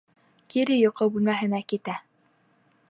Кире йоҡо бүлмәһенә китә.